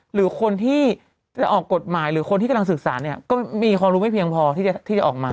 หรือคนที่จะออกกฎหมายหรือคนที่กำลังศึกษาเนี่ยก็มีความรู้ไม่เพียงพอที่จะออกมา